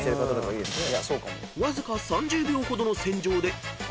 ［わずか３０秒ほどの洗浄で］